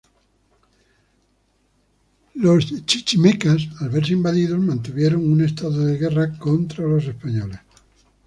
Los chichimecas, al verse invadidos, mantuvieron un estado de guerra contra los españoles.